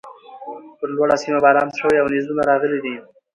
پر لوړۀ سيمه باران شوی او نيزونه راغلي دي